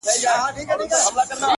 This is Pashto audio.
اچيل یې ژاړي. مړ یې پېزوان دی.